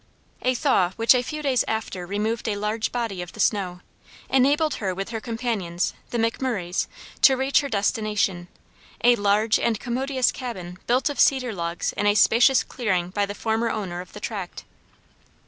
A thaw which a few days after removed a large body of the snow, enabled her with her companions, the McMurrays, to reach her destination, a large and commodious cabin built of cedar logs in a spacious clearing by the former owner of the tract.